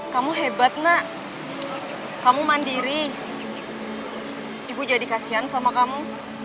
kamu hebat nak kamu mandiri ibu jadi kasihan sama kamu